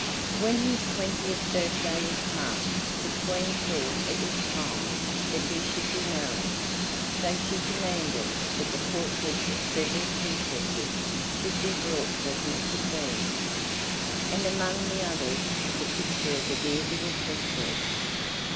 When his twentieth birthday was passed the Queen thought it was time that he should be married, so she commanded that the portraits of several princesses should be brought for him to see, and among the others was a picture of the Dear Little Princess!